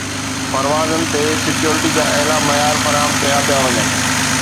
پروازن تي سيڪيورٽي جا اعليٰ معيار فراهم ڪيا پيا وڃن